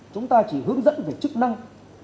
chúng ta chỉ hướng dẫn về chức năng